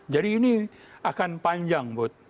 jadi ini akan panjang bud